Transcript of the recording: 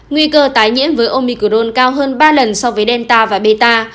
nguy cơ tái nhiễm với omicron cao hơn ba lần so với delta và beta